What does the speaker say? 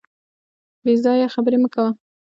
بې ځایه خبري مه کوه .